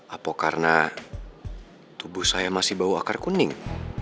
apa karena tubuh saya masih bau akar kuning